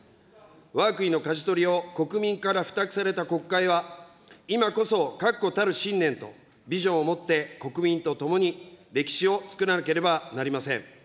わが国のかじ取りを国民から負託された国会は、今こそ確固たる信念とビジョンをもって、国民とともに歴史をつくらなければなりません。